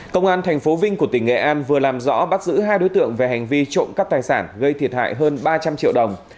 công an tp vinh của tỉnh nghệ an vừa làm rõ bắt giữ hai đối tượng về hành vi trộm cắp tài sản gây thiệt hại hơn ba trăm linh triệu đồng